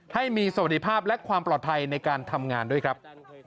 ให้มีสวัสดิภาพและความปลอดภัยในการทำงานด้วยครับ